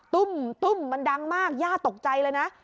ตุ้มตุ้มมันดังมากย่าตกใจเลยนะ